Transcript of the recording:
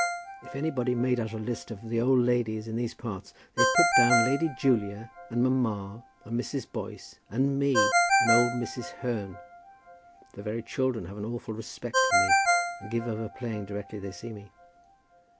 If anybody made out a list of the old ladies in these parts, they'd put down Lady Julia, and mamma, and Mrs. Boyce, and me, and old Mrs. Hearne. The very children have an awful respect for me, and give over playing directly they see me.